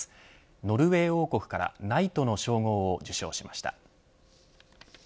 ノルウェー王国からナイトの称号を受章しました。